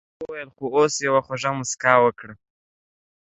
ډاکټر وويل خو اوس يوه خوږه مسکا وکړه.